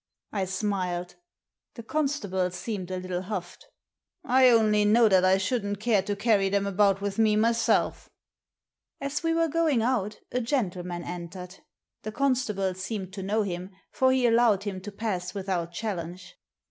I smiled. The constable seemed a little huflfed. " I only know that I shouldn't care to carry them about with me myself" As we were going out a gentleman entered. The constable seemed to know him, for he allowed him to pass without challenge.